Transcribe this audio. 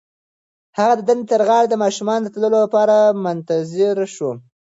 هغه د ډنډ تر غاړې د ماشومانو د تلو لپاره منتظره شوه.